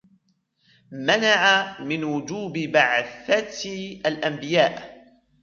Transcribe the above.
مَنَعَ مِنْ وُجُوبِ بَعْثَةِ الْأَنْبِيَاءِ